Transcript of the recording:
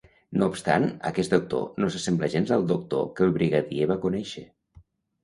No obstant, aquest Doctor no s'assembla gens al Doctor que el Brigadier va conèixer.